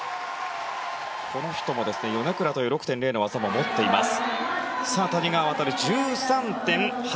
この人もヨネクラという６．０の技も持っています。